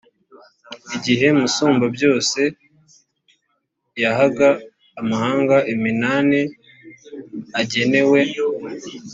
igihe musumbabyose yahaga amahanga iminani agenewe.